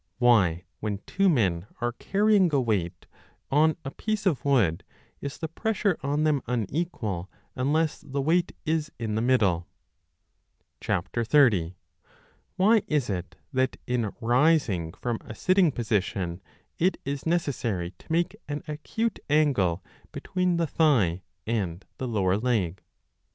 Why, when two men are carrying a weight on a piece of wood, is the pressure on them unequal unless the weight is in the middle ? 30. Why is it that in rising from a sitting position it is necessary to make an acute angle between the thigh and the lower leg